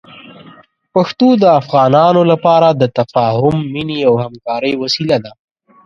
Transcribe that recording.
پښتو د افغانانو لپاره د تفاهم، مینې او همکارۍ وسیله ده.